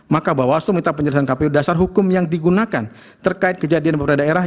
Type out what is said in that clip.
maka bawaslu minta penjelasan kpu dasar hukum yang digunakan terkait kejadian di beberapa daerah